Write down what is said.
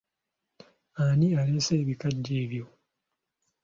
Ani aleese ebikajjo ebyo?